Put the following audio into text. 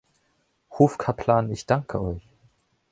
Hofkaplan, ich danke Euch.